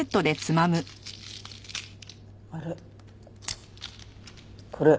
あれ？